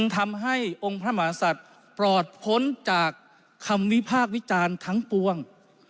ทำให้องค์พระมหาศัตริย์ปลอดพ้นจากคำวิพากษ์วิจารณ์ทั้งปวง